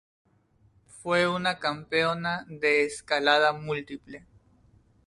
Fue una campeona de escalada múltiple.